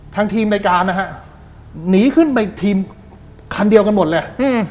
ทางทีมรายการนะฮะหนีขึ้นไปทีมคันเดียวกันหมดเลย